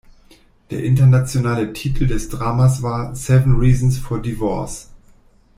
Der internationale Titel des Dramas war "Seven Reasons for Divorce".